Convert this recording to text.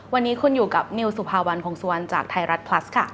วันนี้คุณอยู่กับนิวสุภาวันพงศวรรณจากไทยรัฐพลัสค่ะ